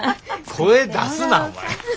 声出すなお前は。